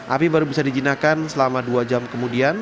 api baru bisa dijinakan selama dua jam kemudian